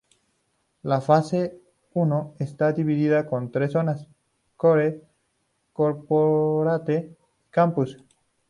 La fase I está dividida en tres zonas: "Core", "Corporate" y "Campus".